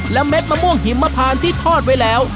และเม็ดมะม่วงหิมมะพานที่ทอดไว้แล้ว